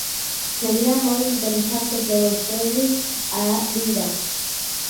Sería moi interesante que vostedes a viran.